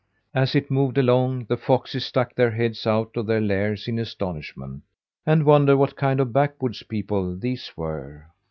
As it moved along, the foxes stuck their heads out of the lairs in astonishment, and wondered what kind of backwoods people these were.